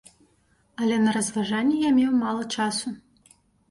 Але на разважанні я меў мала часу.